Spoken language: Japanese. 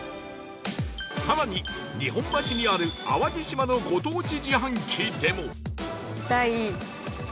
更に日本橋にある淡路島のご当地自販機でも